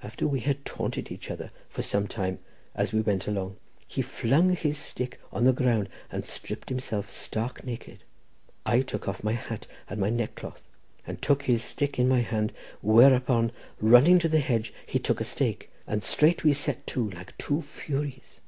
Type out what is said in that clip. After we had taunted each other for some time, as we went along, he flung his stick on the ground, and stripped himself stark naked. I took off my hat and my neckcloth, and took his stick in my hand; whereupon, running to the hedge, he took a stake, and straight we set to like two furies.